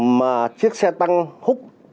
mà chiếc xe tăng hút